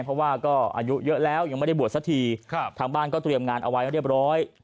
เพราะว่าก็อายุเยอะแล้วยังไม่ได้บวชสักทีทางบ้านก็เตรียมงานเอาไว้เรียบร้อย